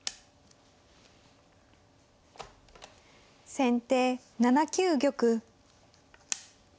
先手７九玉。